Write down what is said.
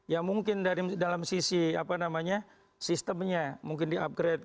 ya mungkin dari dalam sisi apa namanya sistemnya mungkin diupgrade